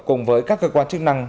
cùng với các cơ quan chức năng